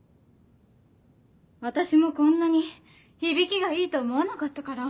私もこんなに響きがいいと思わなかったから。